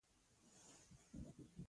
ده له هندي مشرانو څخه مرسته وغوښته.